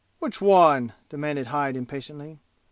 "Which one?" demanded Hyde impatiently.